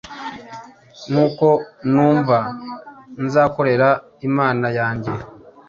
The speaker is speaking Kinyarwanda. nkuko numva, nzakorera imana yanjye